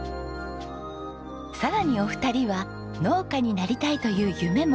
さらにお二人は農家になりたいという夢もかなえちゃいました。